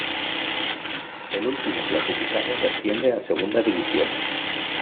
El último clasificado desciende a Segunda división.